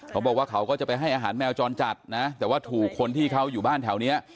เขาก็จะไปให้อาหารแมวจรจัดนะแต่ว่าถูกคนที่เขาอยู่บ้านแถวนี้